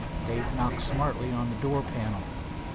Dave knocked smartly on the door panel.